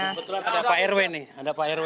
kebetulan ada pak rw nih ada pak rw